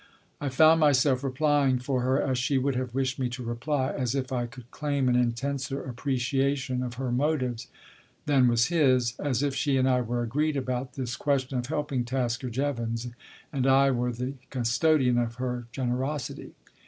I found myself replying for her as she would have wished me to reply, as if I could claim an intenser appreciation of her motives than was his, as if she and I were agreed about this ques tion of helping Tasker Jevons and I were the custodian of her generosity.